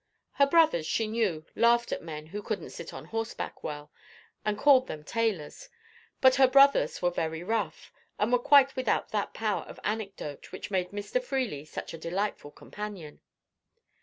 Her brothers, she knew, laughed at men who couldn't sit on horseback well, and called them tailors; but her brothers were very rough, and were quite without that power of anecdote which made Mr. Freely such a delightful companion.